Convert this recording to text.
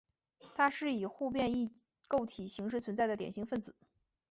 它是以互变异构体形式存在的典型分子。